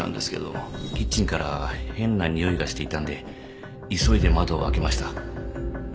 キッチンから変なにおいがしていたんで急いで窓を開けました